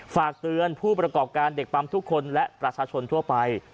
ฝากเตือนผู้ประกอบการเด็กปั๊มทุกคนและประชาชนทั่วไป